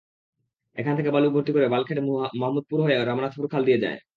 এখান থেকে বালু ভর্তি করে বাল্কহেড মাহমুদপুর হয়ে রামনাথপুর খাল দিয়ে যায়।